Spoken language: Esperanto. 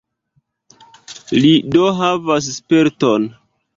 Li, do, havas sperton.